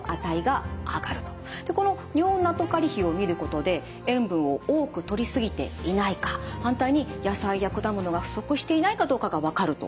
この尿ナトカリ比を見ることで塩分を多くとり過ぎていないか反対に野菜や果物が不足していないかどうかが分かるというわけなんです。